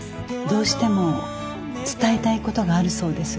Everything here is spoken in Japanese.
どうしても伝えたいことがあるそうです。